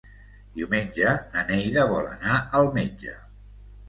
Diumenge na Neida vol anar al metge.